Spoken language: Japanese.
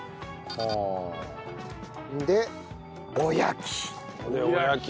でおやき！